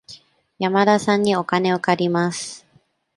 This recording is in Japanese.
山田さんにお金を借ります。